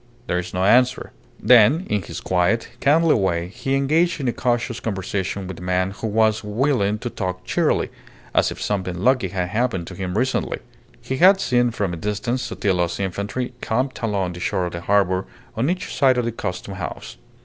"There is no answer." Then, in his quiet, kindly way, he engaged in a cautious conversation with the man, who was willing to talk cheerily, as if something lucky had happened to him recently. He had seen from a distance Sotillo's infantry camped along the shore of the harbour on each side of the Custom House.